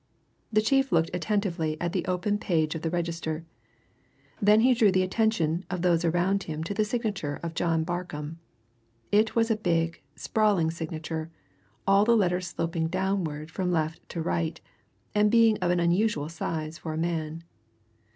The chief looked attentively at the open page of the register. Then he drew the attention of those around him to the signature of John Barcombe. It was a big, sprawling signature, all the letters sloping downward from left to right, and being of an unusual size for a man.